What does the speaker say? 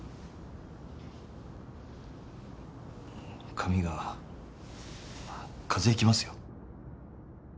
髪が風邪ひきますよ。